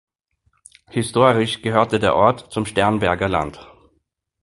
Historisch gehörte der Ort zum Sternberger Land.